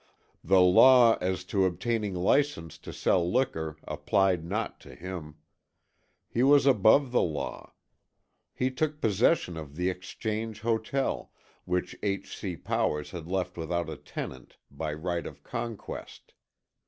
The law as to obtaining license to sell liquor applied not to him. He was above the law. He took possession of the Exchange Hotel, which H. C. Powers had left without a tenant, by right of conquest.